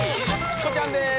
チコちゃんです